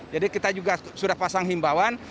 jadi kita juga sudah pasang himbawan